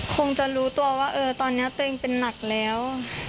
คงจะรู้ตัวว่าตอนนี้ตัวเองเป็นหนักแล้ว